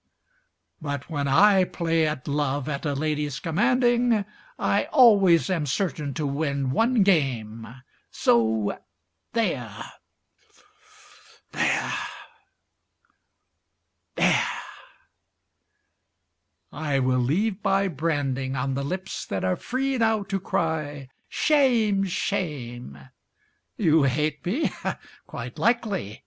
But when I play at love at a lady's commanding, I always am certain to win one game; So there there there! I will leave my branding On the lips that are free now to cry "Shame, shame!" You hate me? Quite likely!